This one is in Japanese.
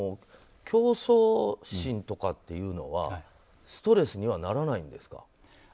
競争心とかっていうのはストレスにはならないんですか？